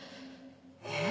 えっ？